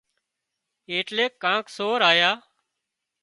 ايٽليڪ ڪانڪ سور آيا